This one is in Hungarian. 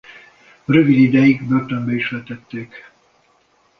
Rövid ideig börtönbe is vetették.